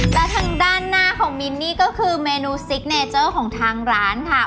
และทางด้านหน้าของมิ้นนี่ก็คือเมนูซิกเนเจอร์ของทางร้านค่ะ